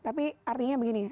tapi artinya begini